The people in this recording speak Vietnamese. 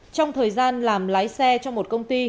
trong thời gian làm lái xe cho một công ty